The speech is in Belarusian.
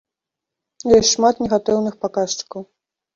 Ёсць шмат негатыўных паказчыкаў.